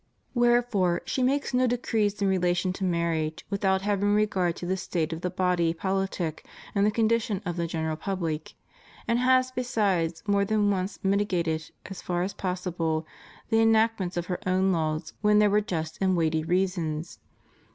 Wherefore she makes no decrees in relation to marriage without havdng regard to the state of the body politic and the condition of the general public ; and has besides more than once mitigated, as far as possible, the enactments of her own laws when there were just and weighty reasons.